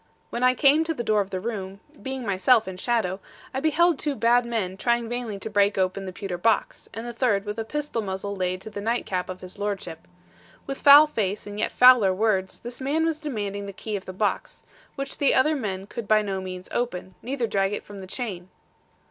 When I came to the door of the room, being myself in shadow, I beheld two bad men trying vainly to break open the pewter box, and the third with a pistol muzzle laid to the night cap of his lordship. With foul face and yet fouler words, this man was demanding the key of the box, which the other men could by no means open, neither drag it from the chain.